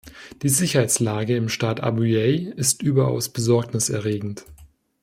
Die Sicherheitslage im Staat Abyei ist überaus besorgniserregend.